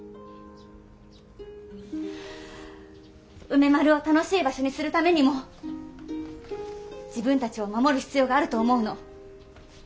梅丸を楽しい場所にするためにも自分たちを守る必要があると思うの。